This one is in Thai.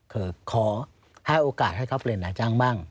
คือขอให้โอกาสให้เขาเปลี่ยนนายจ้างบ้าง